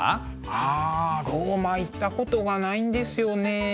あローマ行ったことがないんですよね。